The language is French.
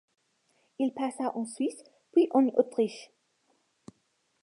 Il passa en Suisse puis en Autriche.